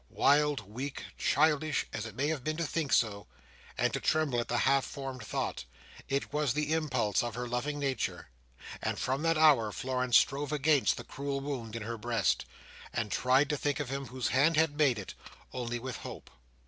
Wild, weak, childish, as it may have been to think so, and to tremble at the half formed thought, it was the impulse of her loving nature; and from that hour Florence strove against the cruel wound in her breast, and tried to think of him whose hand had made it, only with hope.